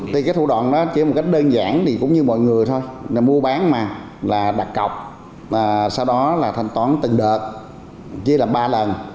thủ đoạn đó chỉ một cách đơn giản thì cũng như mọi người thôi mua bán mà là đặt cọc sau đó là thanh toán từng đợt chia làm ba lần